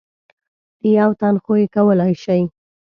د یو تن خو یې کولای شئ .